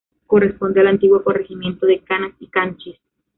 Corresponde al antiguo Corregimiento de Canas y Canchis.